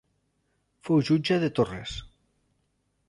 Fou jutge de Torres.